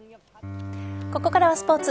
ここからはスポーツ。